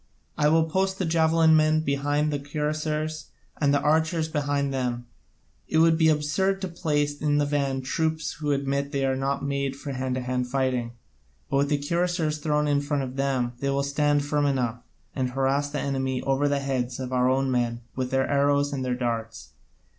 I will post the javelin men behind the cuirassiers, and the archers behind them: it would be absurd to place in the van troops who admit that they are not made for hand to hand fighting; but with the cuirassiers thrown in front of them they will stand firm enough, and harass the enemy over the heads of our own men with their arrows and their darts.